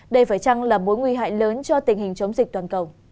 đây phải chăng là mối nguy hại lớn cho tình hình chống dịch toàn cầu